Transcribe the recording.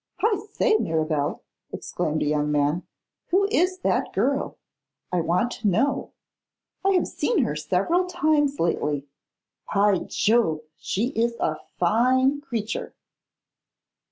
'I say, Mirabel,' exclaimed a young man, 'who is that girl? I want to know. I have seen her several times lately. By Jove, she is a fine creature!